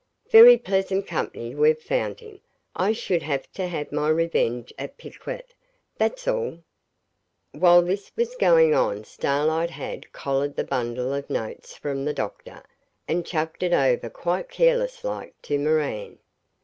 Very pleasant company we've found him. I should like to have my revenge at picquet, that's all.' While this was going on Starlight had collared the bundle of notes from the doctor, and chucked it over quite careless like to Moran.